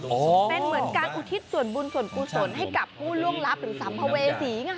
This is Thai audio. เป็นเหมือนการอุทิศส่วนบุญส่วนกุศลให้กับผู้ล่วงลับหรือสัมภเวษีไง